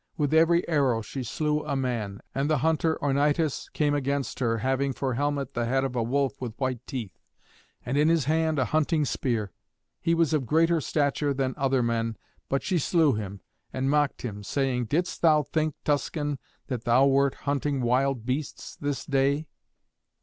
With every arrow she slew a man. And the hunter Ornytus came against her, having for helmet the head of a wolf with white teeth, and in his hand a hunting spear. He was of greater stature than other men, but she slew him, and mocked him, saying, "Didst thou think, Tuscan, that thou wert hunting wild beasts this day?